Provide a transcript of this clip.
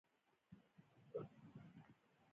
زه په رستورانټ کې کار کوم